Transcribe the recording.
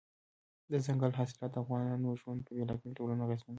دځنګل حاصلات د افغانانو ژوند په بېلابېلو ډولونو اغېزمنوي.